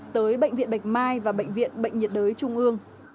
tới bệnh viện bạch mai và bệnh viện bệnh nhiệt đới trung ương